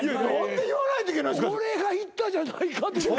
俺が言ったじゃないかって。